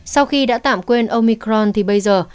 sau khi đã tạm quên omicron thì bây giờ